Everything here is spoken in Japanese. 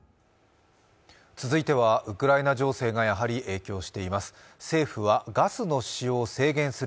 続いては、ウクライナ情勢がやはり影響しています。